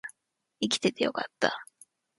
生きててよかった